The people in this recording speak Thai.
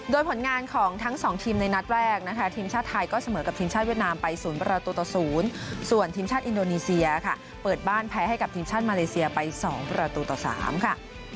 โดยผลงานของทั้งสองทีมในนัดแรกนะคะทีมชาติไทยก็เสมอกับทีมชาติเวียดนามไป๐ประตูต่อ๐ส่วนทีมชาติอินโดนีเซียค่ะเปิดบ้านแพ้ให้กับทีมชาติมาเลเซียไป๒ประตูต่อ๓ค่ะ